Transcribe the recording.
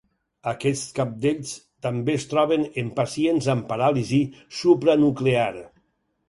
Aquests cabdells també es troben en pacients amb paràlisi supranuclear.